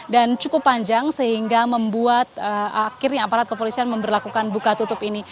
dan cukup panjang sehingga membuat akhirnya aparat kepolisian memberlakukan buka tutup ini